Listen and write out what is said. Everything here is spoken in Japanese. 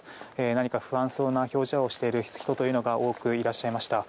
何か不安そうな表情をしている人が多くいらっしゃいました。